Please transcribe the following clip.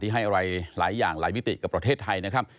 ให้อะไรหลายอย่างหลายมิติกับประเทศไทยนะครับ